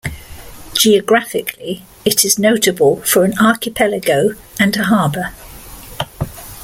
Geographically, it is notable for an archipelago and a harbour.